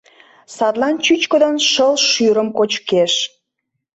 Садлан чӱчкыдын шыл шӱрым кочкеш.